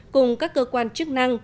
cùng các cơ quan chức năng